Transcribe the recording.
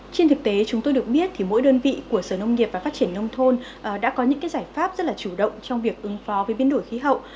trên thực tế chúng tôi được biết thì mỗi đơn vị của sở nông nghiệp và phát triển nông thôn đã có những giải pháp rất là chủ động trong việc ứng phó với biến đổi khí hậu